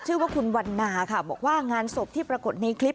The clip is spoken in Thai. ชื่อว่าคุณวันนาค่ะบอกว่างานศพที่ปรากฏในคลิป